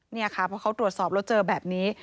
นี่ค่ะเพราะเขาตรวจสอบแล้วเจอแบบนี้